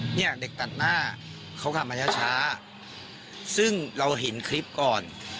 เนี่ยเด็กตัดหน้าเขาขับมาช้าซึ่งเราเห็นคลิปก่อน